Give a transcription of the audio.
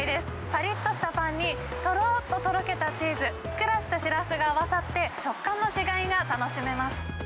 ぱりっとしたパンに、とろっととろけたチーズ、ふっくらしたシラスが合わさって、食感の違いが楽しめます。